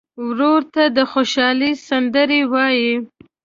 ورور ته د خوشحالۍ سندرې وایې.